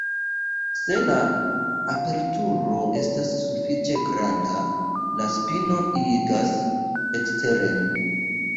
Se la aperturo estas sufiĉe granda, la spino igas eksteren.